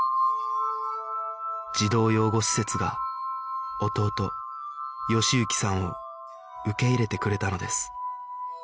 児童養護施設が弟喜之さんを受け入れてくれたのです